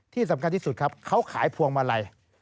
ที่สำคัญที่สุดครับเขาขายพวงมาลัย